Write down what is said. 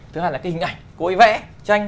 thứ hai là cái hình ảnh cô ấy vẽ tranh